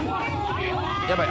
「やばい！